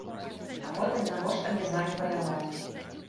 А потым, навошта мне з вамі ваяваць?